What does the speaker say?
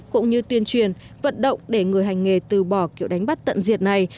cũng như tuyên truyền vận động để người hành nghề từ bỏ kiểu đánh bắt tận diệt này